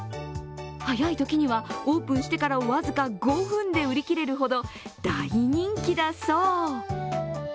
早いときには、オープンしてから僅か５分で売り切れるほど大人気だそう。